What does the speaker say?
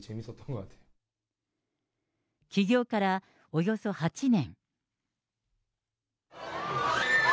起業からおよそ８年。